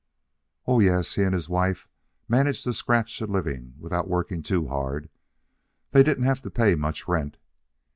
"Oh, yes, he and his wife managed to scratch a living without working too hard. They didn't have to pay much rent.